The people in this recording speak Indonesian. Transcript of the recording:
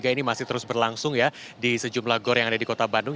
ini masih terus berlangsung ya di sejumlah gor yang ada di kota bandung